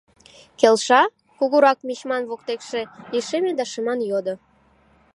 — Келша? — кугурак мичман воктекше лишеме да шыман йодо.